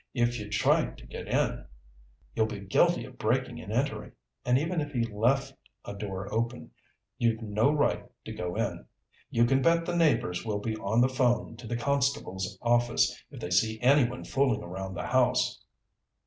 If you try to get in, you'll be guilty of breaking and entering. And even if he left a door open, you've no right to go in. You can bet the neighbors will be on the phone to the constable's office if they see anyone fooling around the house."